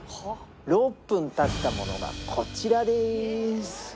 ６分経ったものがこちらでーす。